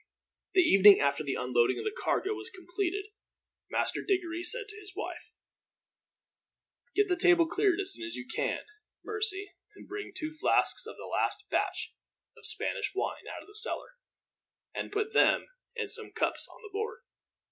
The evening after the unlading of the cargo was completed, Master Diggory said to his wife: "Get the table cleared as soon as you can, Mercy, and bring two flasks of that last batch of Spanish wine out of the cellar, and put them and some cups on the board.